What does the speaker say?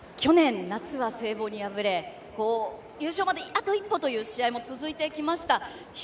去年、夏は聖望に敗れ優勝まであと一歩という試合も続いてきました。